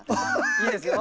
いいですよ。